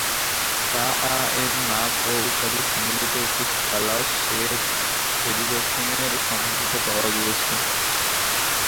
কা'আ'-এর নাম ও উপাধি সম্বলিত একটি থালা শেথ-পেরিবসেন এর সমাধিতে পাওয়া গিয়েছে।